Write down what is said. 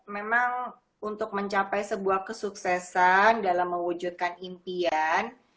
memang untuk mencapai sebuah kesuksesan dalam mewujudkan impian